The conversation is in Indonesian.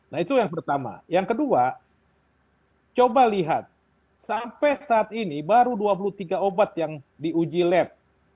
nah itu yang pertama yang kedua coba lihat sampai saat ini baru dua puluh tiga obat yang diuji lab